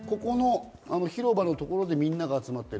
広場のところでみんなが集まっている。